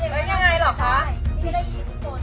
แล้วยังไงหรอคะ